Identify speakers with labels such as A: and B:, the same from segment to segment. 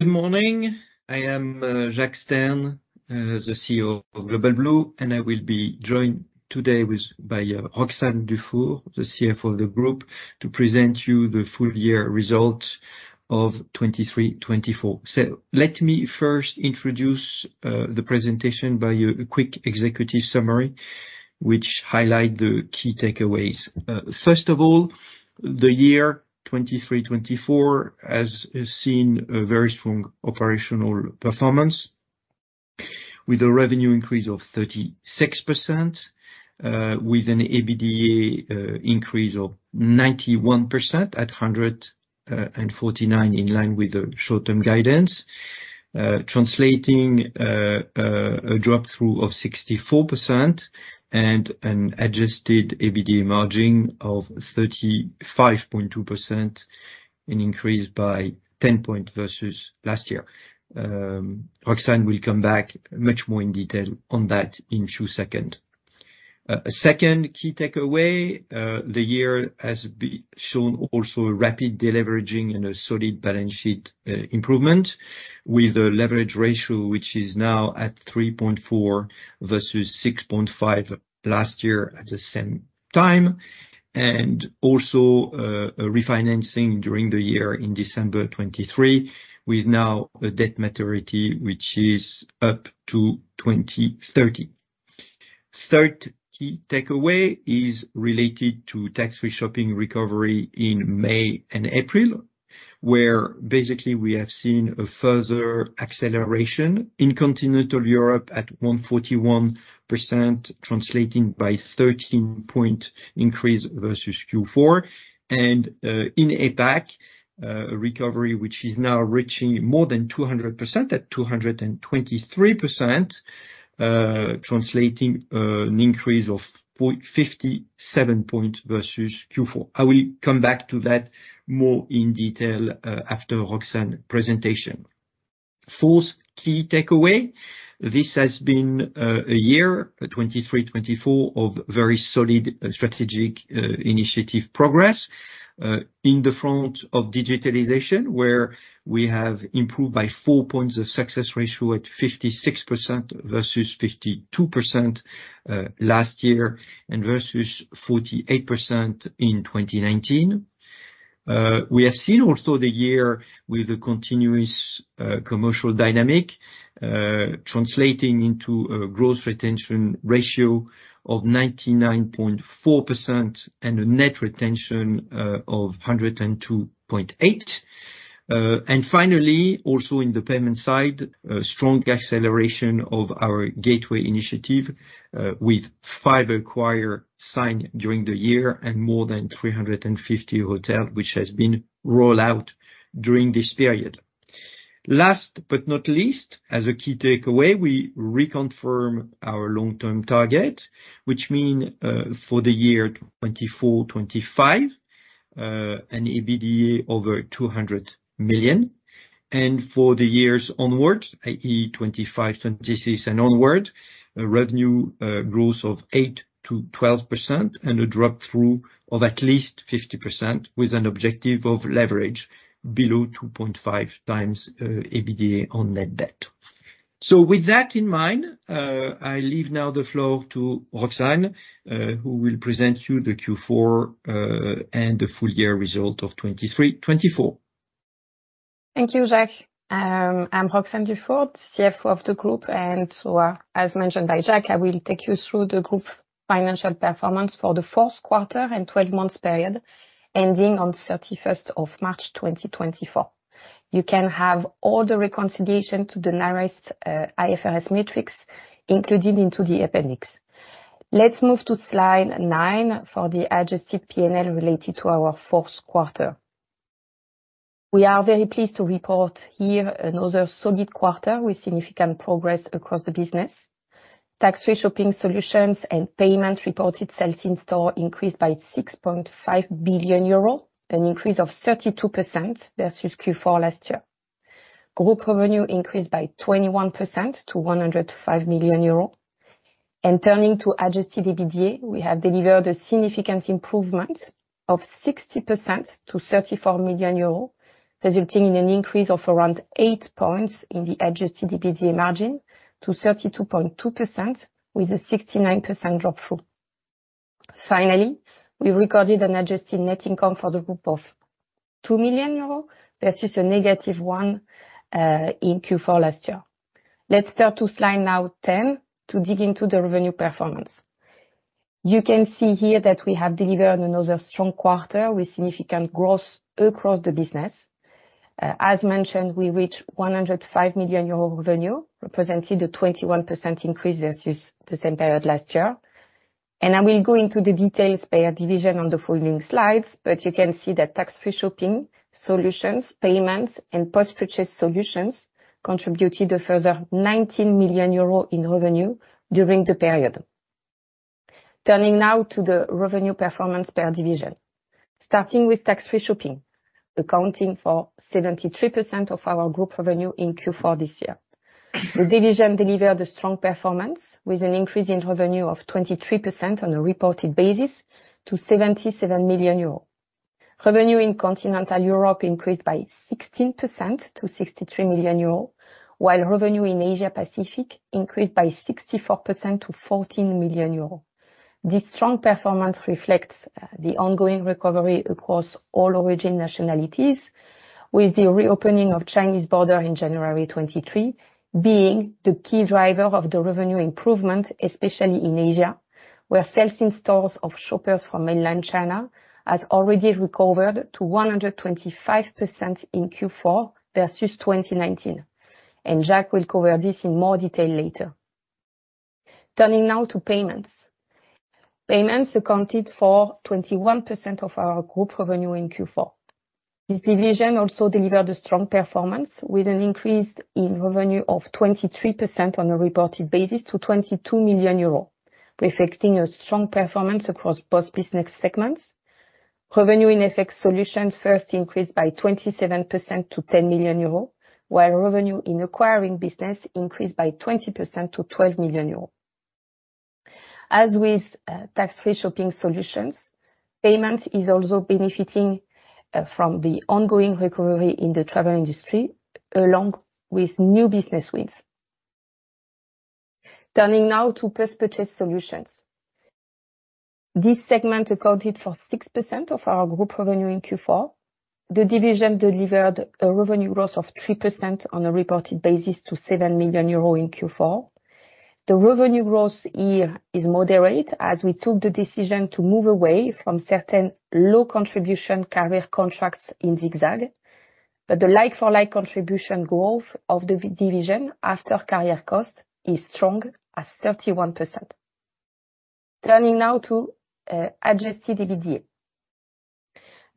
A: Good morning. I am Jacques Stern, the CEO of Global Blue, and I will be joined today by Roxane Dufour, the CFO of the group, to present you the full year results of 2023-2024. Let me first introduce the presentation by a quick executive summary, which highlight the key takeaways. First of all, the year 2023-2024 has seen a very strong operational performance with a revenue increase of 36%, with an EBITDA increase of 91% to 149, in line with the short-term guidance. Translating a drop-through of 64% and an adjusted EBITDA margin of 35.2%, an increase by 10 point versus last year. Roxane will come back much more in detail on that in two second. Second key takeaway, the year has shown also a rapid deleveraging and a solid balance sheet improvement, with a leverage ratio which is now at 3.4 versus 6.5 last year at the same time. And also, a refinancing during the year in December 2023, with now a debt maturity which is up to 2030. Third key takeaway is related to tax-free shopping recovery in May and April, where basically we have seen a further acceleration in Continental Europe at 141%, translating by 13-point increase versus Q4. And, in APAC, a recovery which is now reaching more than 200%, at 223%, translating an increase of 57-point versus Q4. I will come back to that more in detail, after Roxane presentation. Fourth key takeaway, this has been a year, 2023-2024, of very solid strategic initiative progress in the front of digitalization, where we have improved by four points of Success Ratio at 56% versus 52% last year, and versus 48% in 2019. We have seen also the year with a continuous commercial dynamic translating into a growth retention ratio of 99.4% and a net retention of 102.8. And finally, also in the payment side, a strong acceleration of our gateway initiative with five acquirers signed during the year, and more than 350 hotels, which have been rolled out during this period. Last but not least, as a key takeaway, we reconfirm our long-term target, which mean for the year 2024-2025 an EBITDA over 200 million. And for the years onwards, i.e., 2025-2026 and onward, a revenue growth of 8%-12% and a drop-through of at least 50%, with an objective of leverage below 2.5x EBITDA on net debt. So with that in mind, I leave now the floor to Roxane, who will present you the Q4 and the full year result of 2023-2024.
B: Thank you, Jacques. I'm Roxane Dufour, CFO of the group, and so, as mentioned by Jacques, I will take you through the group financial performance for the fourth quarter and twelve months period, ending on thirty-first of March, 2024. You can have all the reconciliation to the nearest, IFRS metrics, including into the appendix. Let's move to slide 9 for the adjusted P&L related to our fourth quarter. We are very pleased to report here another solid quarter with significant progress across the business. Tax-free shopping solutions and payments reported sales in-store increased by 6.5 billion euro, an increase of 32% versus Q4 last year. Group revenue increased by 21% to 105 million euros. Turning to Adjusted EBITDA, we have delivered a significant improvement of 60% to 34 million euros, resulting in an increase of around eight points in the Adjusted EBITDA margin to 32.2%, with a 69% drop-through. Finally, we recorded an Adjusted net income for the group of 2 million euro, versus a negative 1 million in Q4 last year. Let's turn to slide 10 now, to dig into the revenue performance. You can see here that we have delivered another strong quarter with significant growth across the business. As mentioned, we reached 105 million euro revenue, representing a 21% increase versus the same period last year. I will go into the details per division on the following slides, but you can see that tax-free shopping, solutions, payments, and post-purchase solutions contributed a further 19 million euros in revenue during the period. Turning now to the revenue performance per division. Starting with tax-free shopping, accounting for 73% of our group revenue in Q4 this year. The division delivered a strong performance, with an increase in revenue of 23% on a reported basis to 77 million euros. Revenue in Continental Europe increased by 16% to 63 million euros, while revenue in Asia Pacific increased by 64% to 14 million euros. This strong performance reflects the ongoing recovery across all origin nationalities, with the reopening of Chinese border in January 2023 being the key driver of the revenue improvement, especially in Asia, where sales in stores of shoppers from mainland China has already recovered to 125% in Q4 versus 2019. And Jacques will cover this in more detail later. Turning now to payments. Payments accounted for 21% of our group revenue in Q4. This division also delivered a strong performance, with an increase in revenue of 23% on a reported basis to 22 million euros, reflecting a strong performance across both business segments. Revenue in FX Solutions first increased by 27% to 10 million euros, while revenue in acquiring business increased by 20% to 12 million euros. As with tax-free shopping solutions, payments is also benefiting from the ongoing recovery in the travel industry, along with new business wins. Turning now to Post-Purchase Solutions. This segment accounted for 6% of our group revenue in Q4. The division delivered a revenue growth of 3% on a reported basis to 7 million euro in Q4. The revenue growth here is moderate, as we took the decision to move away from certain low-contribution carrier contracts in ZigZag, but the like-for-like contribution growth of the division after carrier cost is strong, at 31%. Turning now to adjusted EBITDA.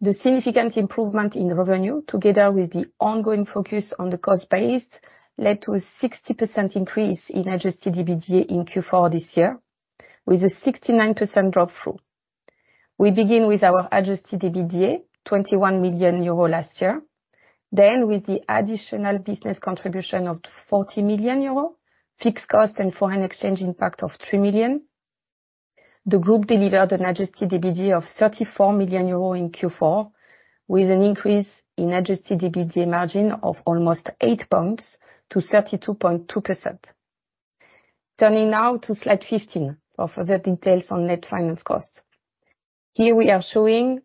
B: The significant improvement in revenue, together with the ongoing focus on the cost base, led to a 60% increase in adjusted EBITDA in Q4 this year, with a 69% drop-through. We begin with our adjusted EBITDA, 21 million euro last year. Then, with the additional business contribution of 40 million euro, fixed cost and foreign exchange impact of 3 million, the group delivered an Adjusted EBITDA of 34 million euro in Q4, with an increase in Adjusted EBITDA margin of almost eight points to 32.2%. Turning now to slide 15, for further details on net finance costs. Here we are showing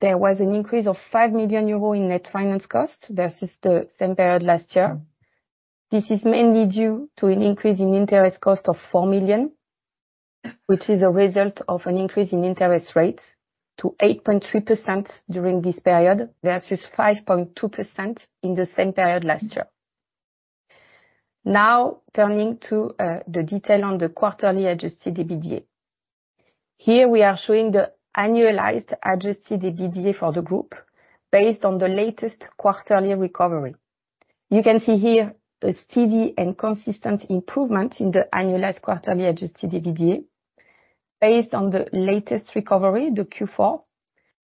B: there was an increase of 5 million euros in net finance costs versus the same period last year. This is mainly due to an increase in interest cost of 4 million, which is a result of an increase in interest rates to 8.3% during this period, versus 5.2% in the same period last year. Now, turning to the detail on the quarterly Adjusted EBITDA. Here, we are showing the annualized adjusted EBITDA for the group based on the latest quarterly recovery. You can see here a steady and consistent improvement in the annualized quarterly adjusted EBITDA. Based on the latest recovery, the Q4,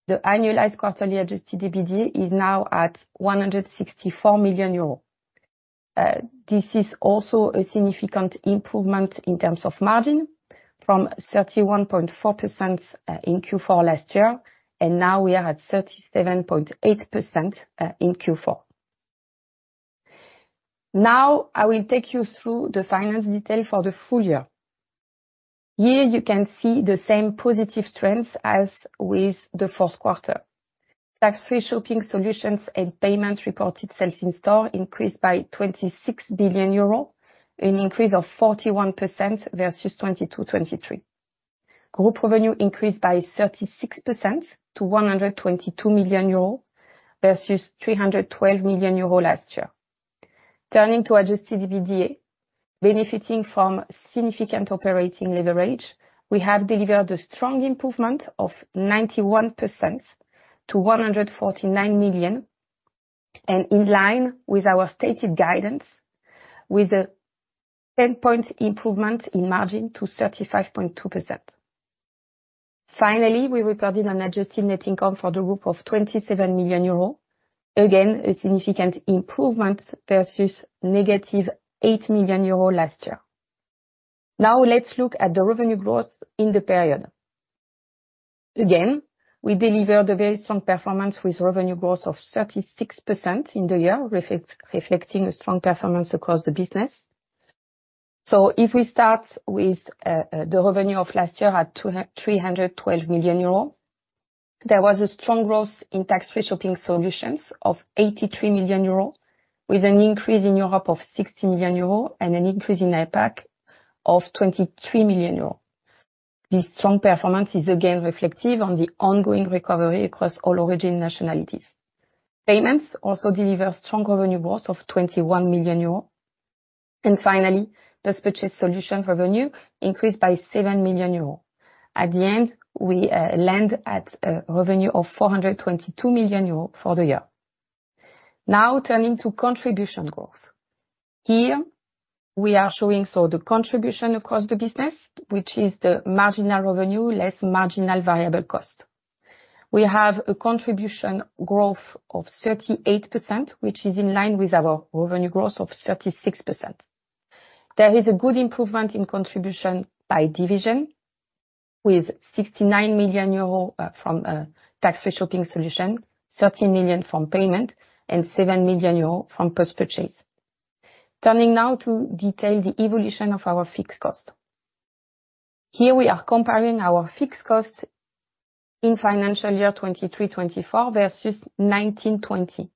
B: the annualized quarterly adjusted EBITDA is now at 164 million euros. This is also a significant improvement in terms of margin, from 31.4%, in Q4 last year, and now we are at 37.8%, in Q4. Now, I will take you through the finance detail for the full year. Here, you can see the same positive trends as with the fourth quarter. Tax-free shopping solutions and payments reported sales in-store increased by 26 billion euro, an increase of 41% versus 2022-2023. Group revenue increased by 36% to 122 million euro, versus 312 million euro last year. Turning to adjusted EBITDA, benefiting from significant operating leverage, we have delivered a strong improvement of 91% to 149 million, and in line with our stated guidance, with a 10-point improvement in margin to 35.2%. Finally, we recorded an adjusted net income for the group of 27 million euros. Again, a significant improvement versus -8 million euros last year. Now, let's look at the revenue growth in the period. Again, we delivered a very strong performance with revenue growth of 36% in the year, reflecting a strong performance across the business. So if we start with the revenue of last year at 312 million euros, there was a strong growth in tax-free shopping solutions of 83 million euros, with an increase in Europe of 60 million euros and an increase in APAC of 23 million euros. This strong performance is again reflective on the ongoing recovery across all origin nationalities. Payments also delivered strong revenue growth of 21 million euros. And finally, post-purchase solution revenue increased by 7 million euros. At the end, we land at a revenue of 422 million euros for the year. Now, turning to contribution growth. Here, we are showing the contribution across the business, which is the marginal revenue less marginal variable cost. We have a contribution growth of 38%, which is in line with our revenue growth of 36%. There is a good improvement in contribution by division, with 69 million euro from tax-free shopping solution, 13 million from payment, and 7 million euro from post-purchase. Turning now to detail the evolution of our fixed cost. Here we are comparing our fixed cost in financial year 2023/2024 versus 2019/20.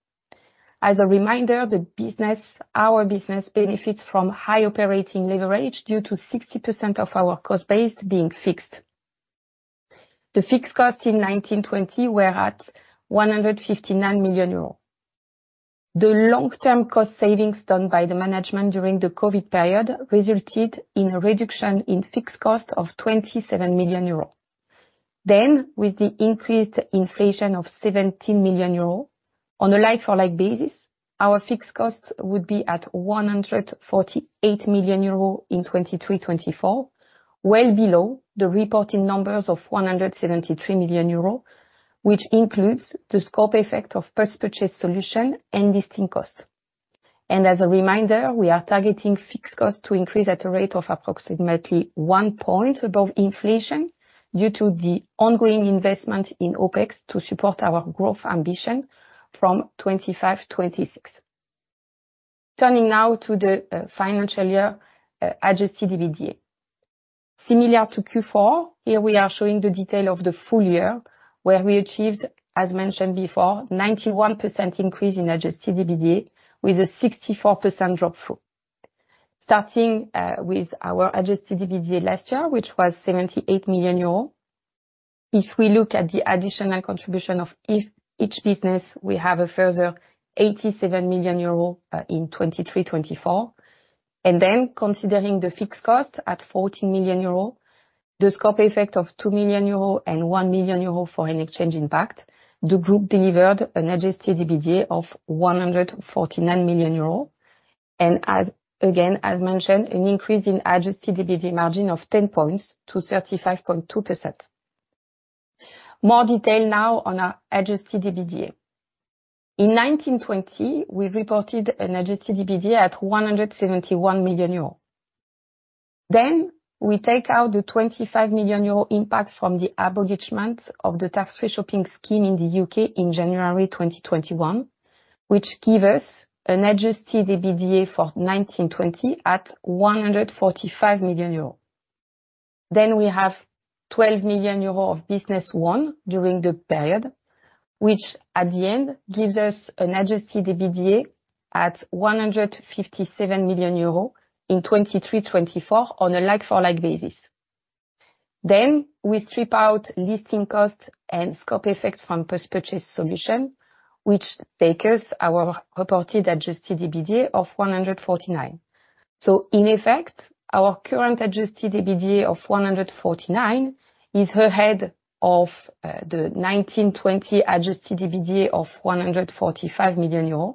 B: As a reminder, the business, our business benefits from high operating leverage due to 60% of our cost base being fixed. The fixed costs in 2019/20 were at 159 million euros. The long-term cost savings done by the management during the COVID period resulted in a reduction in fixed cost of 27 million euros. Then, with the increased inflation of 17 million euros, on a like-for-like basis, our fixed costs would be at 148 million euros in 2023/2024, well below the reported numbers of 173 million euros, which includes the scope effect of post-purchase solution and listing costs. As a reminder, we are targeting fixed costs to increase at a rate of approximately one point above inflation due to the ongoing investment in OpEx to support our growth ambition from 2025/2026. Turning now to the financial year adjusted EBITDA. Similar to Q4, here we are showing the detail of the full year, where we achieved, as mentioned before, 91% increase in adjusted EBITDA with a 64% drop through. Starting with our adjusted EBITDA last year, which was 78 million euros, if we look at the additional contribution of each business, we have a further 87 million euros in 2023/2024. Then, considering the fixed cost at 14 million euros, the scope effect of 2 million euros and 1 million euros for an exchange impact, the group delivered an adjusted EBITDA of 149 million euros. As mentioned, an increase in adjusted EBITDA margin of 10 points to 35.2%. More detail now on our adjusted EBITDA. In 2019/2020, we reported an adjusted EBITDA at 171 million euros. Then we take out the 25 million euro impact from the abolishment of the Tax Free Shopping scheme in the UK in January 2021, which give us an adjusted EBITDA for 2019/2020 at 145 million euro. Then we have 12 million euro of business won during the period, which, at the end, gives us an adjusted EBITDA at 157 million euros in 2023/2024 on a like-for-like basis. Then we strip out listing costs and scope effects from post-purchase solution, which take us our reported adjusted EBITDA of 149 million. So in effect, our current adjusted EBITDA of 149 million is ahead of the 2019/2020 adjusted EBITDA of 145 million euros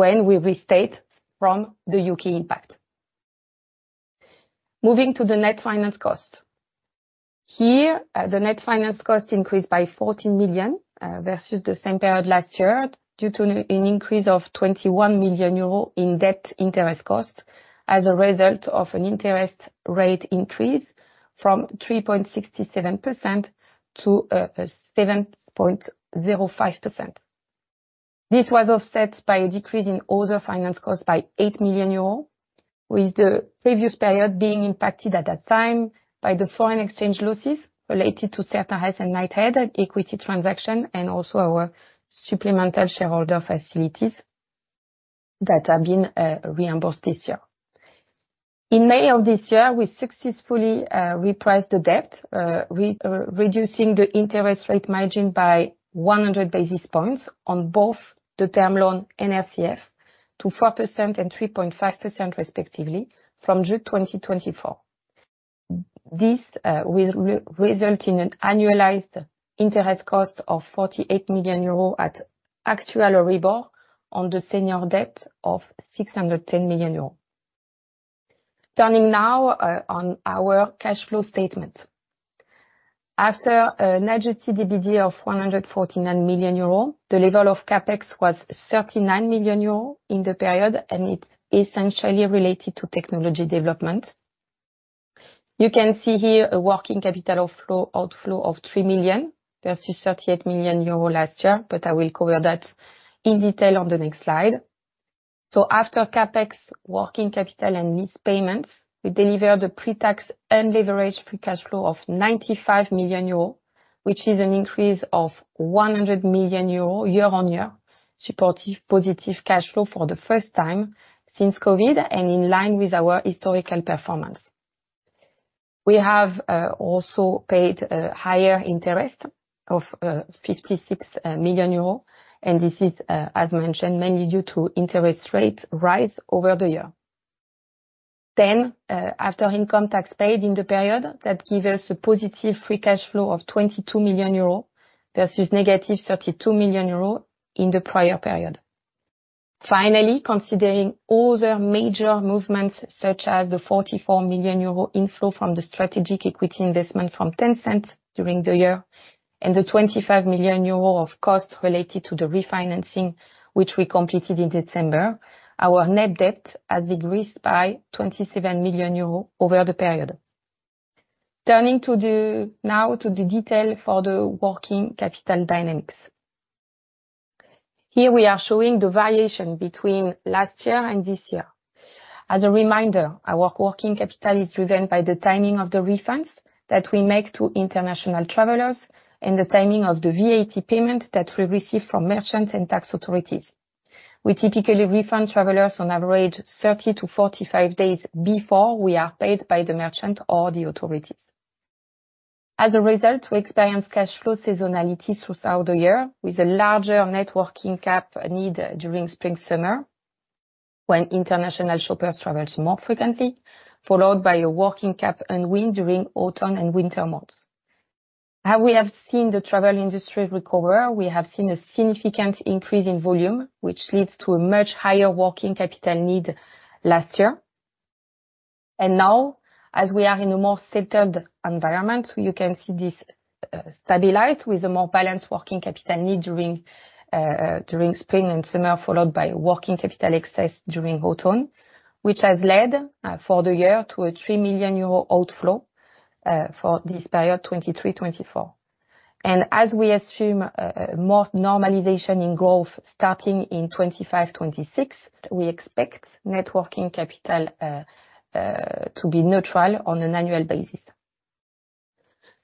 B: when we restate from the UK impact. Moving to the net finance cost. Here, the net finance cost increased by 14 million versus the same period last year, due to an increase of 21 million euro in debt interest costs as a result of an interest rate increase from 3.67% to 7.05%. This was offset by a decrease in other finance costs by 8 million euros, with the previous period being impacted at that time by the foreign exchange losses related to Certares and Knighthead equity transaction, and also our supplemental shareholder facilities that have been reimbursed this year. In May of this year, we successfully repriced the debt, reducing the interest rate margin by 100 basis points on both the term loan and RCF to 4% and 3.5% respectively, from June 2024. This will result in an annualized interest cost of 48 million euro at actual rates on the senior debt of 610 million euro. Turning now on our cash flow statement. After an Adjusted EBITDA of 149 million euro, the level of CapEx was 39 million euro in the period, and it's essentially related to technology development. You can see here a working capital of flow, outflow of 3 million versus 38 million euro last year, but I will cover that in detail on the next slide. After CapEx, working capital, and lease payments, we delivered a pre-tax and leveraged free cash flow of 95 million euros, which is an increase of 100 million euros year-on-year, supportive positive cash flow for the first time since COVID and in line with our historical performance. We have also paid a higher interest of 56 million euros, and this is, as mentioned, mainly due to interest rate rise over the year. Then, after income tax paid in the period, that give us a positive free cash flow of 22 million euro versus negative 32 million euro in the prior period. Finally, considering all the major movements, such as the 44 million euro inflow from the strategic equity investment from Tencent during the year, and the 25 million euro of costs related to the refinancing, which we completed in December, our net debt has decreased by 27 million euros over the period. Turning now to the detail for the working capital dynamics. Here we are showing the variation between last year and this year. As a reminder, our working capital is driven by the timing of the refunds that we make to international travelers, and the timing of the VAT payment that we receive from merchants and tax authorities. We typically refund travelers on average 30-45 days before we are paid by the merchant or the authorities. As a result, we experience cash flow seasonality throughout the year with a larger net working capital need during spring/summer, when international shoppers travel more frequently, followed by a working capital wind-down during autumn and winter months. As we have seen the travel industry recover, we have seen a significant increase in volume, which leads to a much higher working capital need last year. And now, as we are in a more settled environment, you can see this stabilize with a more balanced working capital need during spring and summer, followed by working capital excess during autumn, which has led for the year to a 3 million euro outflow for this period 2023-2024. As we assume more normalization in growth starting in 2025, 2026, we expect net working capital to be neutral on an annual basis.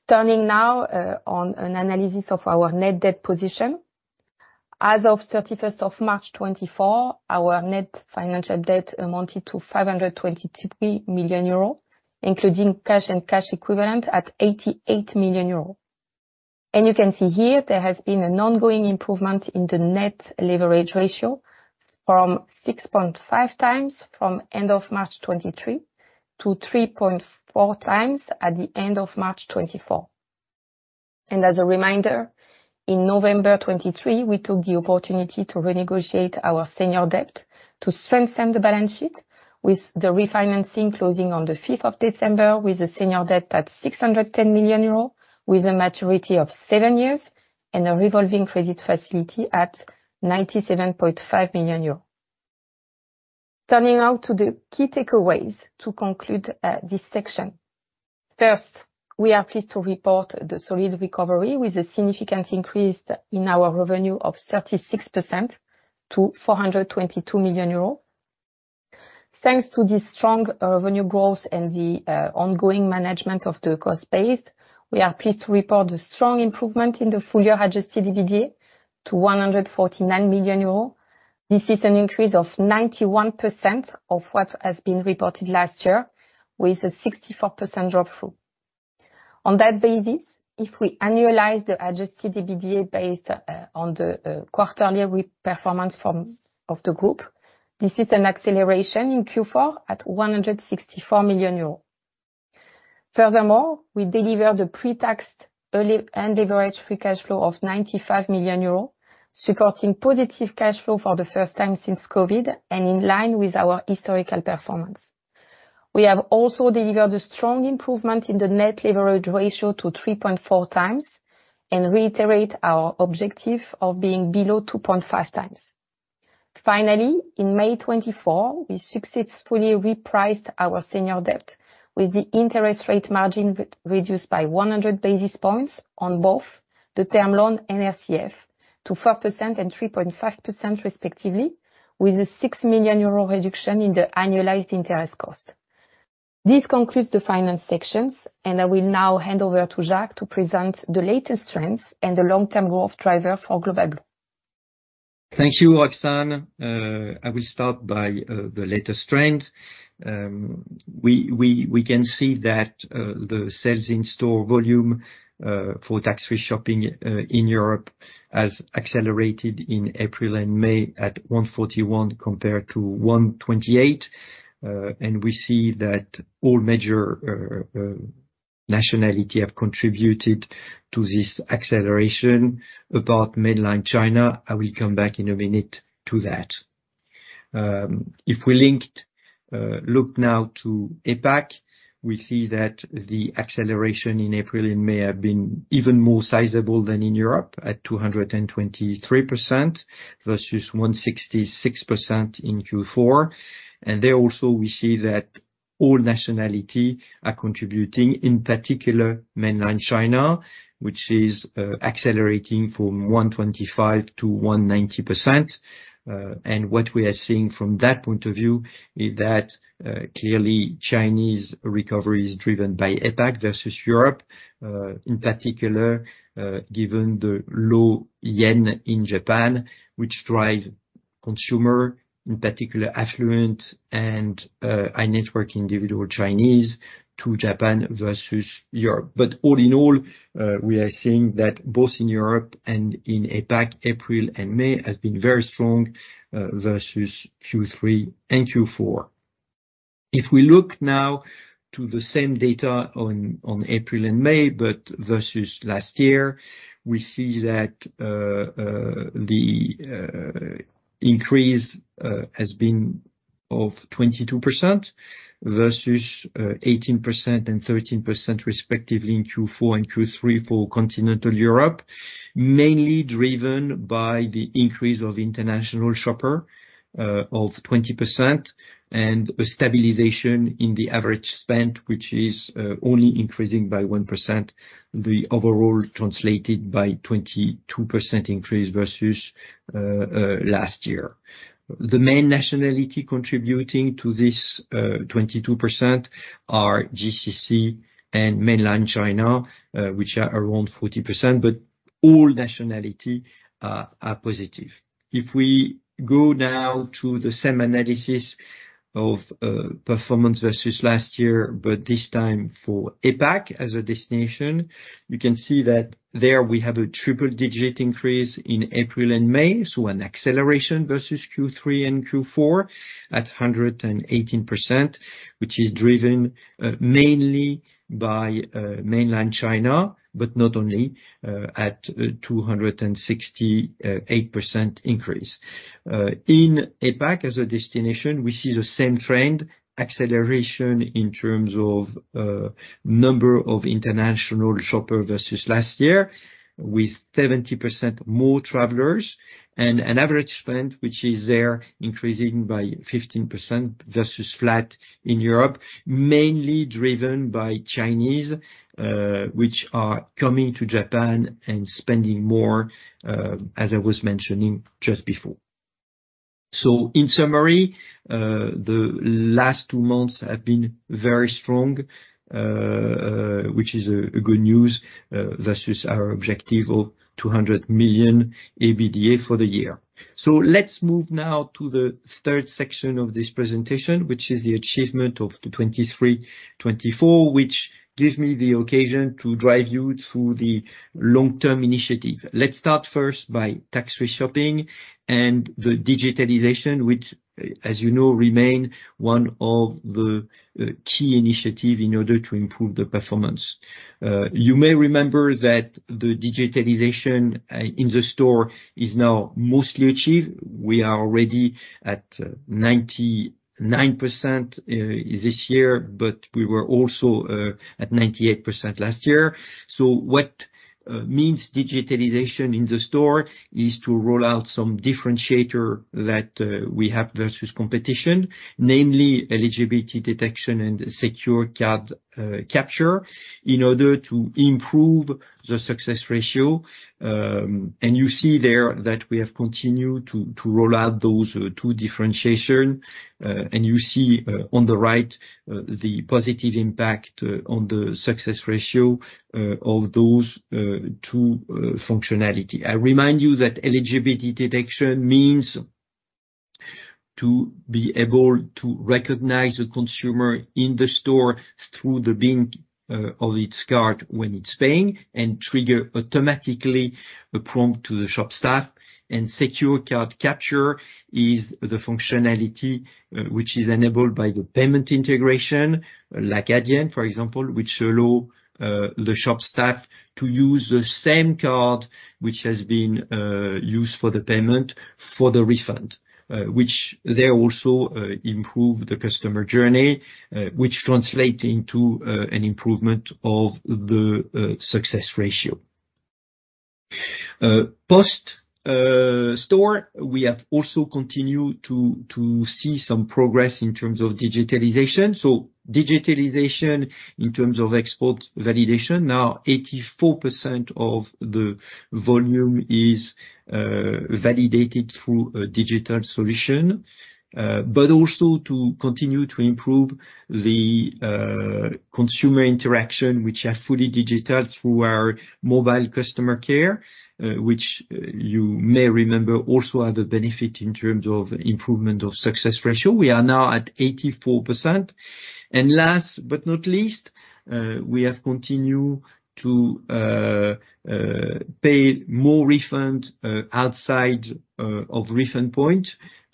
B: Turning now to an analysis of our net debt position. As of the thirty-first of March, 2024, our net financial debt amounted to 523 million euro, including cash and cash equivalents at 88 million euro. You can see here, there has been an ongoing improvement in the net leverage ratio from 6.5x from end of March 2023 to 3.4x at the end of March 2024. As a reminder, in November 2023, we took the opportunity to renegotiate our senior debt to strengthen the balance sheet with the refinancing closing on the fifth of December, with a senior debt at 610 million euros, with a maturity of seven years and a revolving credit facility at 97.5 million euros. Turning now to the key takeaways to conclude this section. First, we are pleased to report the solid recovery with a significant increase in our revenue of 36% to 422 million euros. Thanks to this strong revenue growth and the ongoing management of the cost base, we are pleased to report a strong improvement in the full year Adjusted EBITDA to 149 million euros. This is an increase of 91% of what has been reported last year, with a 64% drop-through. On that basis, if we annualize the Adjusted EBITDA based on the quarterly uncertain the group, this is an acceleration in Q4 at 164 million euros. Furthermore, we delivered a pre-tax, uncertain, and leverage free cash flow of 95 million euro, supporting positive cash flow for the first time since COVID and in line with our historical performance. We have also delivered a strong improvement in the net leverage ratio to 3.4 times and reiterate our objective of being below 2.5 times. Finally, in May 2024, we successfully repriced our senior debt, with the interest rate margin reduced by 100 basis points on both the term loan and RCF to 4% and 3.5% respectively, with a 6 million euro reduction in the annualized interest cost. This concludes the finance sections, and I will now hand over to Jacques to present the latest trends and the long-term growth driver for Global Blue.
A: Thank you, Roxane. I will start by the latest trend. We can see that the sales in store volume for tax-free shopping in Europe has accelerated in April and May at 141 compared to 128. And we see that all major nationality have contributed to this acceleration. About Mainland China, I will come back in a minute to that. Look now to APAC, we see that the acceleration in April and May have been even more sizable than in Europe, at 223% versus 166% in Q4. And there also, we see that all nationality are contributing, in particular, Mainland China, which is accelerating from 125 to 190%. And what we are seeing from that point of view is that, clearly, Chinese recovery is driven by APAC versus Europe, in particular, given the low yen in Japan, which drive consumer, in particular, affluent and, high net worth individual Chinese to Japan versus Europe. But all in all, we are seeing that both in Europe and in APAC, April and May has been very strong, versus Q3 and Q4. If we look now to the same data on April and May, but versus last year, we see that, the increase has been of 22% versus, 18% and 13% respectively in Q4 and Q3 for continental Europe. Mainly driven by the increase of international shopper, of 20% and a stabilization in the average spend, which is, only increasing by 1%, the overall translated by 22% increase versus, last year. The main nationality contributing to this, 22% are GCC and mainland China, which are around 40%, but all nationality are positive. If we go now to the same analysis of, performance versus last year, but this time for APAC as a destination, you can see that there we have a triple digit increase in April and May, so an acceleration versus Q3 and Q4 at 118%, which is driven, mainly by, mainland China, but not only, at 268% increase. In APAC, as a destination, we see the same trend, acceleration in terms of, number of international shopper versus last year, with 70% more travelers, and an average spend, which is there increasing by 15% versus flat in Europe, mainly driven by Chinese, which are coming to Japan and spending more, as I was mentioning just before. So in summary, the last two months have been very strong, which is a, a good news, versus our objective of 200 million EBITDA for the year. So let's move now to the third section of this presentation, which is the achievement of the 2023-2024, which gives me the occasion to drive you through the long-term initiative. Let's start first by Tax Free Shopping and the digitalization, which, as you know, remain one of the key initiatives in order to improve the performance. You may remember that the digitalization in the store is now mostly achieved. We are already at 99% this year, but we were also at 98% last year. So what means digitalization in the store is to roll out some differentiator that we have versus competition, namely Eligibility Detection and Secure Card Capture, in order to improve the Success Ratio. And you see there that we have continued to roll out those two differentiation. And you see on the right the positive impact on the Success Ratio of those two functionality. I remind you that Eligibility Detection means to be able to recognize the consumer in the store through the bank of its card when it's paying, and trigger automatically a prompt to the shop staff. Secure Card Capture is the functionality which is enabled by the payment integration, like Adyen, for example, which allow the shop staff to use the same card which has been used for the payment, for the refund. Which they also improve the customer journey which translate into an improvement of the Success Ratio. Post-store, we have also continued to see some progress in terms of digitalization. So digitalization in terms of export validation, now 84% of the volume is validated through a digital solution, but also to continue to improve the consumer interaction, which are fully digital through our Mobile Customer Care, which you may remember, also have the benefit in terms of improvement of Success Ratio. We are now at 84%. And last but not least, we have continued to pay more refund outside of refund point,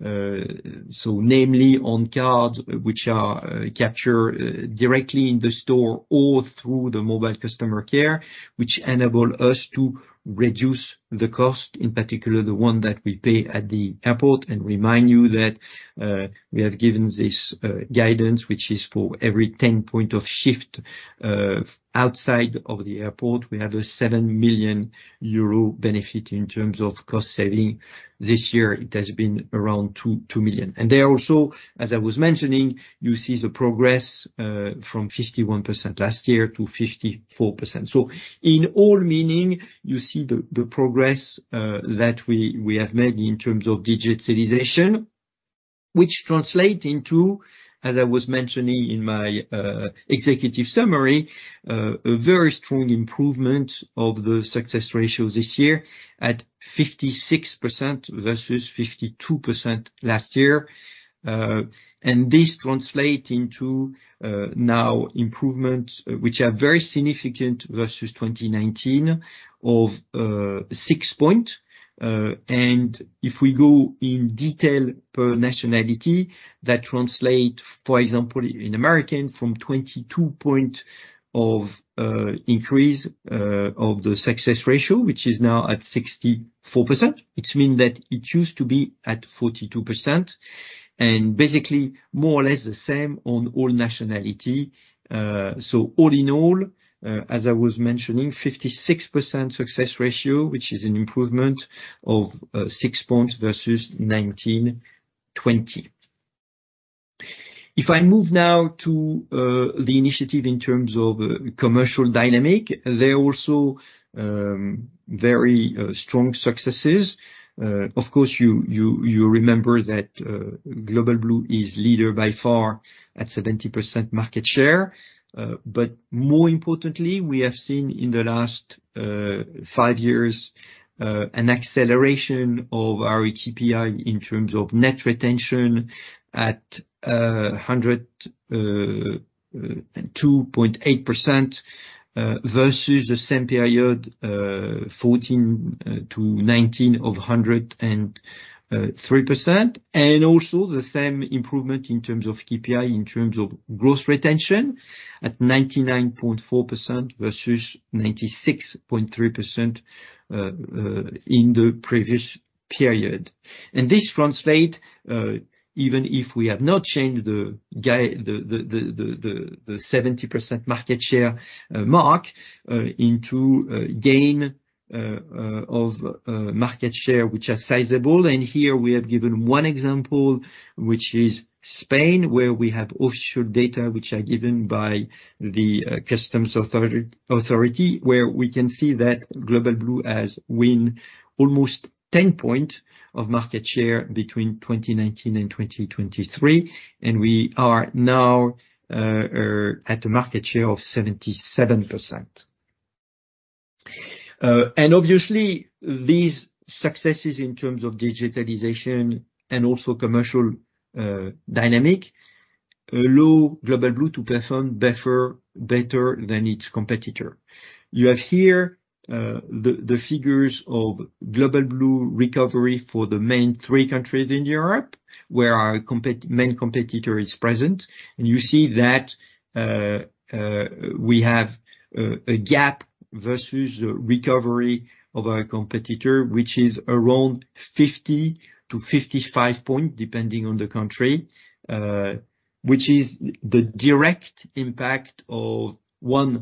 A: so namely on card, which are captured directly in the store or through the Mobile Customer Care, which enable us to reduce the cost, in particular, the one that we pay at the airport. To remind you that we have given this guidance, which is for every 10-point shift outside of the airport, we have a 7 million euro benefit in terms of cost saving. This year, it has been around 2.2 million. There also, as I was mentioning, you see the progress from 51% last year to 54%. So in all meaning, you see the progress that we have made in terms of digitalization, which translate into, as I was mentioning in my executive summary, a very strong improvement of the success ratio this year at 56% versus 52% last year. And this translate into now improvements which are very significant versus 2019 of 6-point. And if we go-... In detail per nationality, that translates, for example, in American, from 22-point increase of the success ratio, which is now at 64%. Which means that it used to be at 42%, and basically more or less the same on all nationality. So all in all, as I was mentioning, 56% success ratio, which is an improvement of six points versus 2019-20. If I move now to the initiative in terms of commercial dynamic, they're also very strong successes. Of course, you remember that Global Blue is leader by far at 70% market share. But more importantly, we have seen in the last five years an acceleration of our KPI in terms of net retention at 102.8% versus the same period 2014-2019 of 103%. And also the same improvement in terms of KPI, in terms of growth retention at 99.4% versus 96.3% in the previous period. And this translate even if we have not changed the guidance the 70% market share mark into gain of market share, which are sizable. Here, we have given one example, which is Spain, where we have official data, which are given by the customs authority, where we can see that Global Blue has won almost 10 points of market share between 2019 and 2023, and we are now at a market share of 77%. And obviously, these successes in terms of digitalization and also commercial dynamics allow Global Blue to perform better than its competitor. You have here the figures of Global Blue recovery for the main three countries in Europe, where our main competitor is present. You see that we have a gap versus the recovery of our competitor, which is around 50-55 point, depending on the country, which is the direct impact of our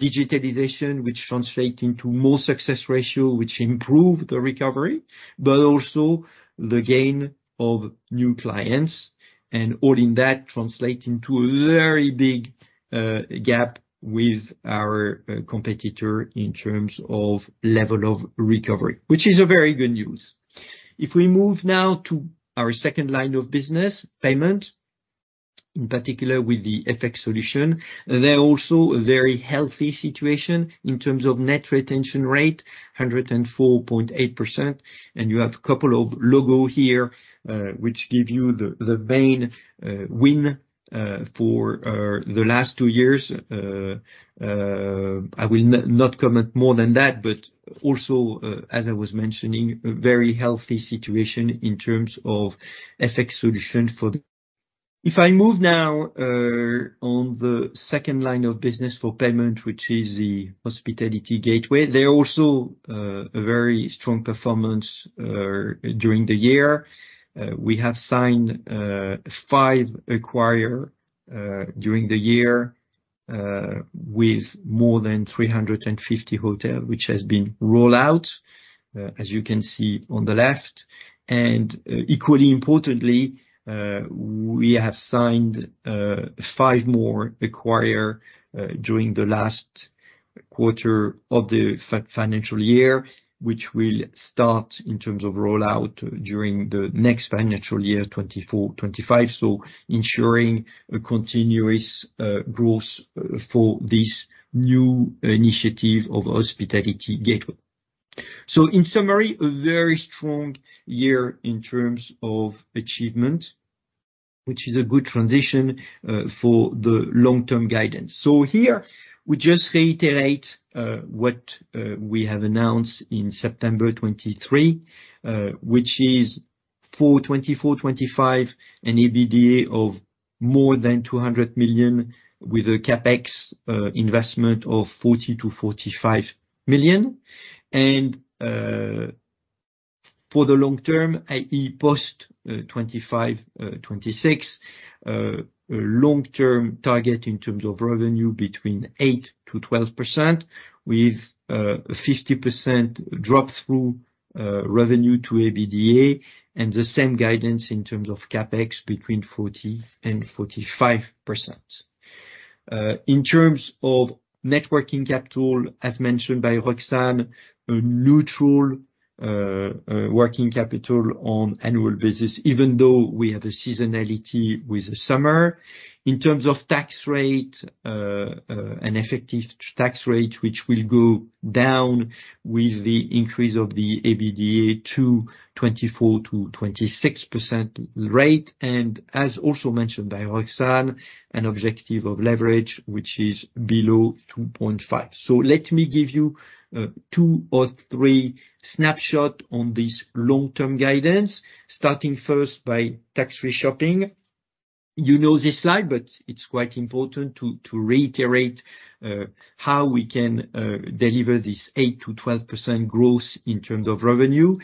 A: digitalization, which translate into more Success Ratio, which improve the recovery, but also the gain of new clients, and all of that translate into a very big gap with our competitor in terms of level of recovery, which is very good news. If we move now to our second line of business, payment, in particular with the FX Solutions, there are also a very healthy situation in terms of net retention rate, 104.8%. You have a couple of logos here, which give you the main wins for the last two years. I will not comment more than that, but also, as I was mentioning, a very healthy situation in terms of FX solution. If I move now, on the second line of business for payment, which is the Hospitality Gateway. There are also, a very strong performance, during the year. We have signed, 5 acquirer, during the year, with more than 350 hotel, which has been rolled out, as you can see on the left. And, equally importantly, we have signed, 5 more acquirer, during the last quarter of the financial year, which will start in terms of rollout during the next financial year, 2024, 2025. So ensuring a continuous, growth for this new initiative of Hospitality Gateway. So in summary, a very strong year in terms of achievement, which is a good transition for the long-term guidance. So here, we just reiterate what we have announced in September 2023, which is for 2024, 2025, an EBITDA of more than 200 million, with a CapEx investment of 40 million-45 million. And for the long term, i.e., post 2025, 2026, a long-term target in terms of revenue between 8%-12%, with 50% drop-through revenue to EBITDA, and the same guidance in terms of CapEx between 40%-45%. In terms of net working capital, as mentioned by Roxane, a neutral working capital on annual basis, even though we have a seasonality with summer. In terms of tax rate, an effective tax rate, which will go down with the increase of the EBITDA to 24%-26% rate. And as also mentioned by Roxane, an objective of leverage, which is below 2.5. So let me give you two or three snapshots on this long-term guidance, starting first by tax-free shopping. You know this slide, but it's quite important to reiterate how we can deliver this 8%-12% growth in terms of revenue.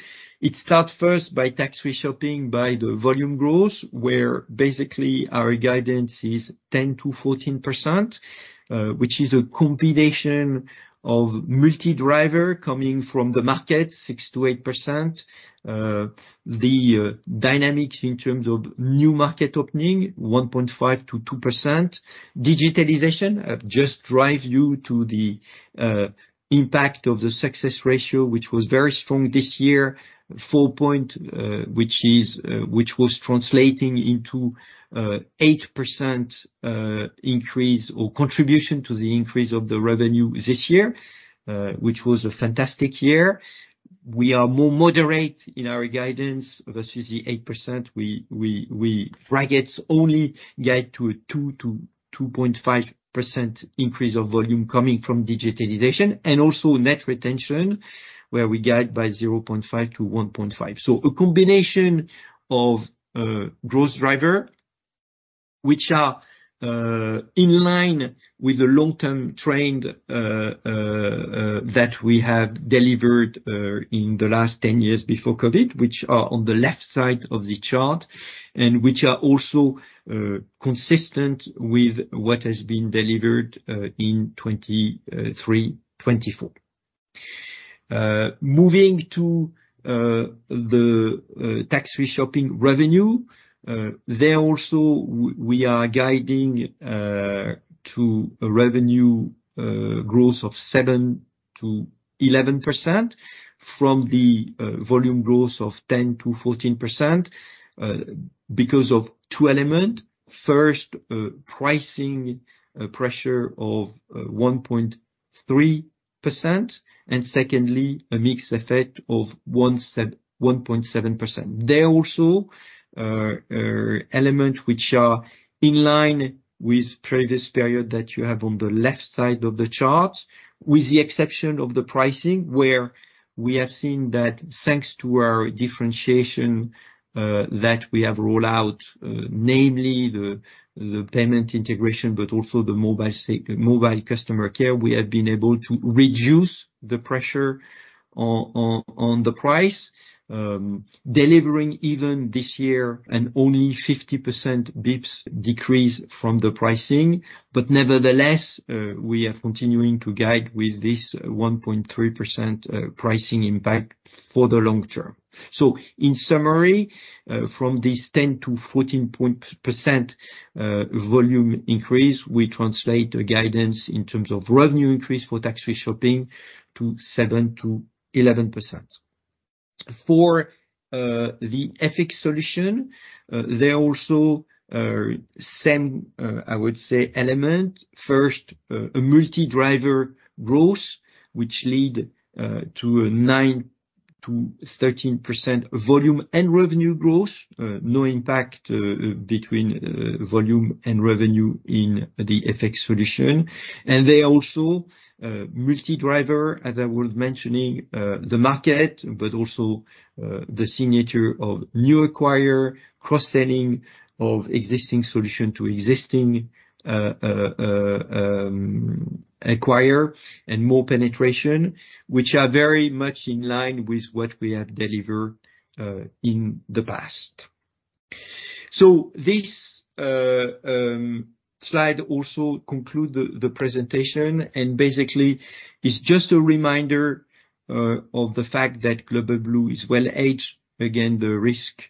A: It starts first by tax-free shopping, by the volume growth, where basically our guidance is 10%-14%, which is a combination of multi-driver coming from the market, 6%-8%. The dynamics in terms of new market opening, 1.5%-2%. Digitalization just drive you to the impact of the Success Ratio, which was very strong this year, 4 point, which was translating into 8% increase or contribution to the increase of the revenue this year, which was a fantastic year. We are more moderate in our guidance versus the 8%. We bracket only guide to a 2%-2.5% increase of volume coming from digitalization, and also Net Retention, where we guide by 0.5-1.5. So a combination of growth driver, which are in line with the long-term trend that we have delivered in the last 10 years before COVID, which are also consistent with what has been delivered in 2023, 2024. Moving to the Tax Free Shopping revenue, there also we are guiding to a revenue growth of 7%-11% from the volume growth of 10%-14%, because of two element. First, pricing pressure of 1.3%, and secondly, a mixed effect of 1.7%. There also elements which are in line with previous period that you have on the left side of the charts, with the exception of the pricing, where we have seen that thanks to our differentiation that we have rolled out, namely the payment integration, but also the Mobile Customer Care, we have been able to reduce the pressure on the price. Delivering even this year and only 50 basis points decrease from the pricing, but nevertheless, we are continuing to guide with this 1.3% pricing impact for the long term. So in summary, from this 10%-14% volume increase, we translate the guidance in terms of revenue increase for Tax Free Shopping to 7%-11%. For the FX solution, there also same, I would say, element. First, a multi-driver growth, which lead to a 9%-13% volume and revenue growth. No impact between volume and revenue in the FX solution. And they also multi-driver, as I was mentioning, the market, but also the signature of new acquirer, cross-selling of existing solution to existing acquirer, and more penetration, which are very much in line with what we have delivered in the past. So this slide also conclude the presentation, and basically, it's just a reminder of the fact that Global Blue is well-hedged against the risk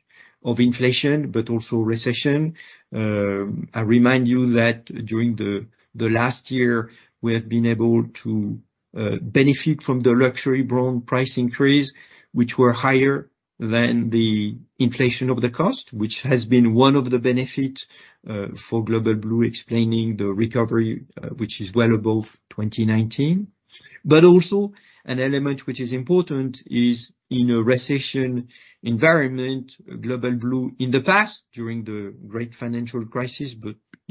A: of inflation but also recession. I remind you that during the last year, we have been able to benefit from the luxury brand price increase, which were higher than the inflation of the cost, which has been one of the benefit for Global Blue, explaining the recovery, which is well above 2019. But also an element which is important is in a recession environment, Global Blue, in the past, during the great financial crisis,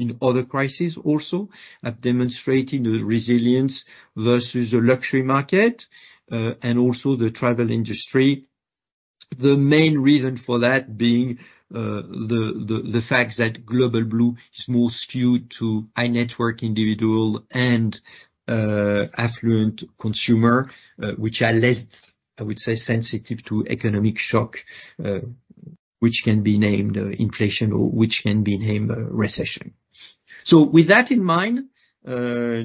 A: but in other crises also, have demonstrated a resilience versus the luxury market and also the travel industry. The main reason for that being the fact that Global Blue is more skewed to high-net-worth individual and affluent consumer, which are less, I would say, sensitive to economic shock, which can be named inflation or which can be named recession. So with that in mind,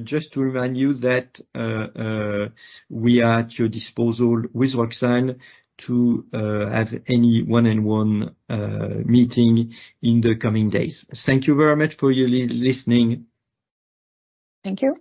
A: just to remind you that we are at your disposal with Roxane to have any one-on-one meeting in the coming days. Thank you very much for your listening.
B: Thank you.